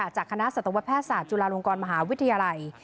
จากคณะสัตวแพทยศาสตร์จุฬาลงกรมหาวิทยาลัย